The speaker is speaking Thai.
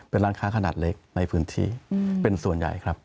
เป็นร้านค้าขนาดเล็กในพื้นที่เป็นส่วนใหญ่ครับ